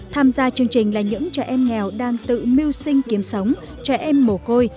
tham gia chương trình là những trẻ em nghèo đang tự mưu sinh kiếm sống trẻ em mồ côi